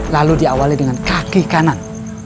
lalu diawali dengan kaki kanan